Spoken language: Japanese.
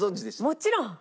もちろん！